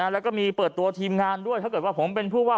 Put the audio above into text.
แล้วก็มีเปิดตัวทีมงานด้วยถ้าเกิดว่าผมเป็นผู้ว่า